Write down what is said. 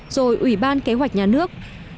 rồi ủy ban kế hoạch nhà nước